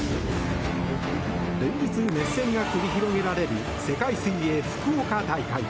連日、熱戦が繰り広げられる世界水泳福岡大会。